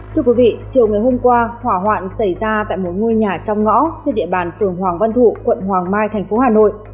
thưa quý vị chiều ngày hôm qua hỏa hoạn xảy ra tại một ngôi nhà trong ngõ trên địa bàn phường hoàng văn thụ quận hoàng mai thành phố hà nội